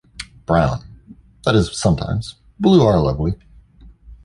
Brown — that is, sometimes; blue are lovely.